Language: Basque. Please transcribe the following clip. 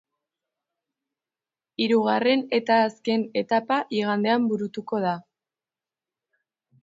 Hirugarren eta azken etapa igandean burutuko da.